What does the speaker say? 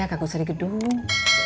bisa gue cari gedung